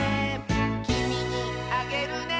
「きみにあげるね」